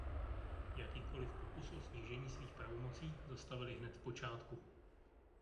Jakýkoliv pokus o snížení svých pravomocí zastavili hned v počátku.